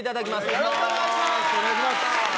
よろしくお願いします！